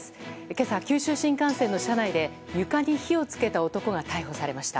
今朝、九州新幹線の車内で、床に火を付けた男が逮捕されました。